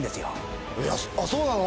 あっそうなの？